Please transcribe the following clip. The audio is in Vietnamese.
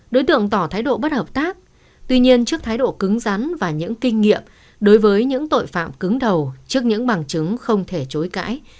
đối tượng tỏ thái độ bất hợp tác tuy nhiên trước thái độ cứng rắn và những kinh nghiệm đối với những tội phạm cứng đầu trước những bằng chứng không thể chối cãi